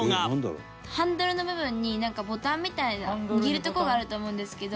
ハンドルの部分になんかボタンみたいな握るとこがあると思うんですけど。